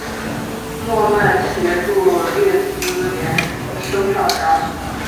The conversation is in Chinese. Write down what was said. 诺曼协助列斯联升上甲组。